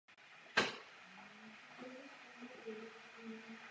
Až poté se začal věnovat práci podle námětů západní Afriky a tichomořských ostrovů.